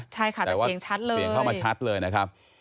แต่ว่าเสียงเข้ามาชัดเลยนะครับ